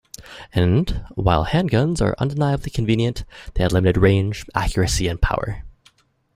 And, while handguns are undeniably convenient, they had limited range, accuracy and power.